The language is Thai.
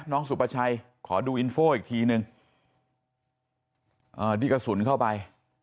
น้องสุภาชัยขอดูอีนโฟล์อีกทีหนึ่งดิกระสุนเข้าไป